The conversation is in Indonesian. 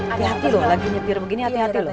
hati hati loh lagi nyetir begini hati hati loh